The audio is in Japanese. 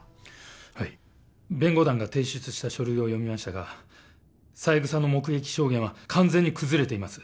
はい弁護団が提出した書類を読みましたが三枝の目撃証言は完全に崩れています